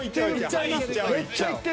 めっちゃ行ってる。